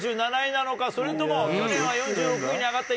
それとも去年は４６位に上がった。